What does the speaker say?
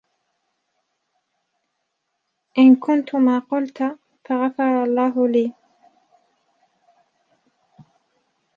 إنْ كُنْت مَا قُلْت فَغَفَرَ اللَّهُ لِي